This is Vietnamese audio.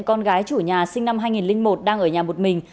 con gái chủ nhà sinh năm hai nghìn một đang ở nhà một mình